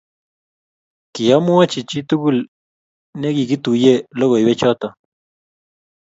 kiamwochi chi tugul nekikituye lokoiywek choto.